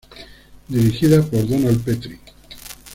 Dirigida por Donald Petrie.